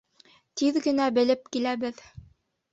Тиҙ генә белеп киләбеҙ.